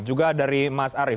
juga dari mas ari